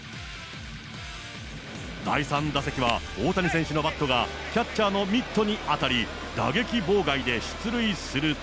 第３打席は大谷選手のバットがキャッチャーのミットに当たり、打撃妨害で出塁すると。